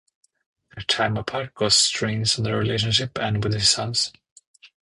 Their time apart caused strains on their relationship, and with his sons.